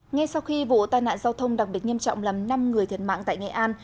ngay sau khi vụ tai nạn giao thông đặc biệt nghiêm trọng làm năm người thiệt mạng tại nghệ an